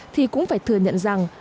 thì cũng phải thừa nhận rằng